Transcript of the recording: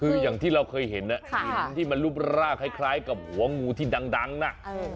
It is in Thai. คืออย่างที่เราเคยเห็นหินที่มันรูปร่างคล้ายกับหัวงูที่ดังน่ะ